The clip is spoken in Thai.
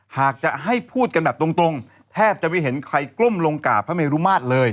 หากจะให้พูดกันแบบตรงแทบจะไม่เห็นใครก้มลงกราบพระเมรุมาตรเลย